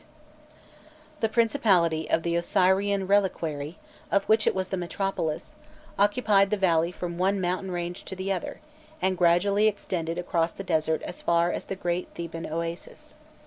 ] The principality of the Osirian Reliquary, of which it was the metropolis, occupied the valley from one mountain range to the other, and gradually extended across the desert as far as the Great Theban Oasis.